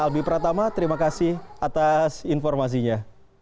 albi pratama terima kasih atas informasinya